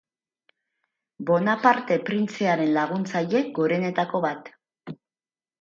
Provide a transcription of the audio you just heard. Bonaparte printzearen laguntzaile gorenetako bat.